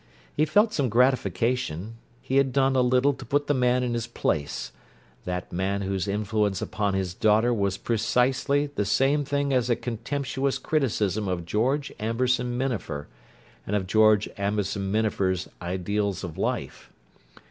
He felt some gratification: he had done a little to put the man in his place—that man whose influence upon his daughter was precisely the same thing as a contemptuous criticism of George Amberson Minafer, and of George Amberson Minafer's "ideals of life."